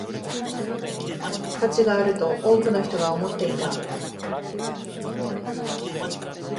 価値があると多くの人が思っていた